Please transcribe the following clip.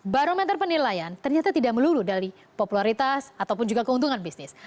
barometer penilaian ternyata tidak melulu dari popularitas ataupun juga keuntungan bisnis